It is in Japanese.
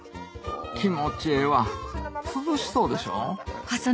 気持ちええわ涼しそうでしょ？